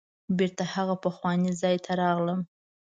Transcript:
بیرته هغه پخواني ځای ته راغلم.